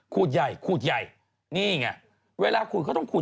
ขูดใหญ่ขูดใหญ่คราวนี้ไง